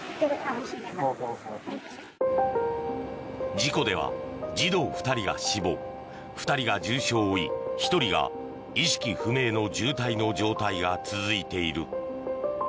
事故では、児童２人が死亡２人が重傷を負い１人が意識不明の重体の状態が続いている。